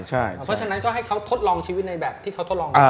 เพราะฉะนั้นก็ให้เขาทดลองชีวิตในแบบที่เขาทดลอง